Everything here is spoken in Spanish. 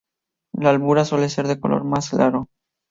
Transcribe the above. La albura suele ser de un color más claro.